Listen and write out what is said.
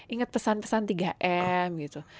ingat pesan pesan tiga m gitu